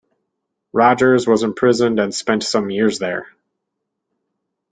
Rogers was imprisoned and spent some years there.